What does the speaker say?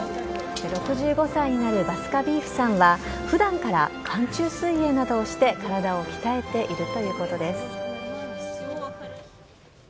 ６５歳になるバスカヴィーフさんは普段から寒中水泳などをして体を鍛えているということです。